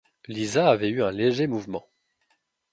Lisa avait eu un léger mouvement.